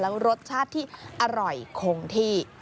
แล้วรสชาติที่อร่อยคงที่